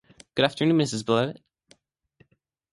Good afternoon, Mrs. Blewett.